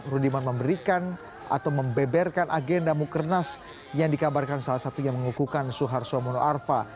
rudiman memberikan atau membeberkan agenda mukernas yang dikabarkan salah satunya mengukuhkan suarso monoarfa